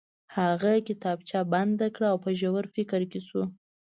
هغه کتابچه بنده کړه او په ژور فکر کې شو